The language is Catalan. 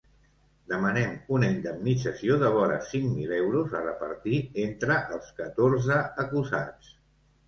Demanen una indemnització de vora cinc mil euros a repartir entre els catorze acusats.